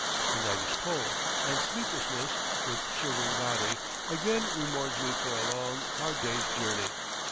The night is cold, and sleeplessness, with shivering body, again rewards me for a long, hard day's journey.